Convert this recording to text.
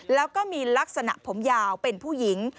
แล้วก็มีลักษณะผมยาวเป็นผู้หญิง